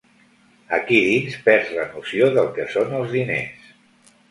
Aquí dins perds la noció del que són els diners.